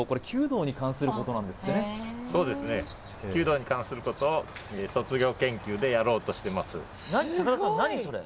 弓道に関することを卒業研究でやろうとしてます高田さん何それ？